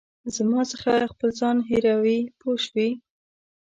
زما څخه خپل ځان هېروې پوه شوې!.